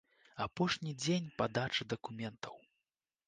Апошні дзень падачы дакументаў.